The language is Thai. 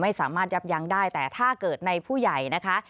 ไม่สามารถยับยั้งได้แต่ถ้าเกิดในผู้ใหญ่นะคะ